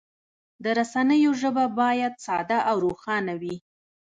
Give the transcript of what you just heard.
د رسنیو ژبه باید ساده او روښانه وي.